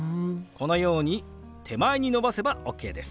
このように手前に伸ばせばＯＫです。